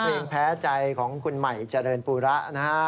เพลงแพ้ใจของคุณใหม่เจริญปูระนะฮะ